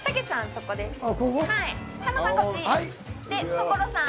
所さん